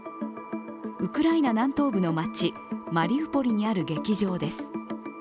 ウクライナ南東部の街マリウポリにある劇場です。